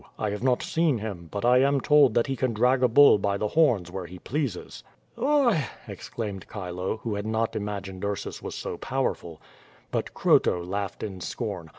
I have not seen him, but I am told that he can drag a bull by the horns where he pleases.'' "Oi" exclaimed Chilo, who had not imagined Ursus was so powerful. But Croto laughed in scorn.